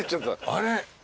あれ。